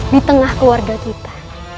di tengah keluarga kita